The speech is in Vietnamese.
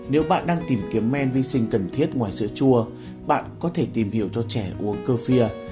nếu bạn đang tìm kiếm men vi sinh cần thiết ngoài sữa chua bạn có thể tìm hiểu cho trẻ uống cơ phia